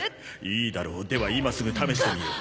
いいだろうでは今すぐ試してみよう。